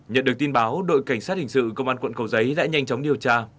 nhận được tin báo đội cảnh sát hình sự công an quận cầu giấy đã nhanh chóng điều tra